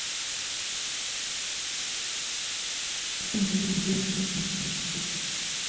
Katika mazingira mengine "urefu" ni kipimo cha kitu.